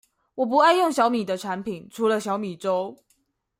我不愛用小米的產品，除了小米粥